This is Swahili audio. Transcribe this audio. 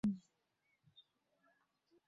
ila aseme tu niko tayari kuondoka